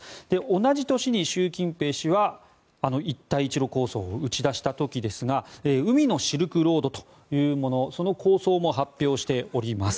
同じ年に習近平氏はあの一帯一路構想を打ち出した時ですが海のシルクロードというものその構想も発表しております。